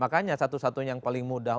makanya satu satunya yang paling mudah